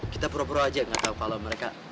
kita pura pura aja gak tau kalau mereka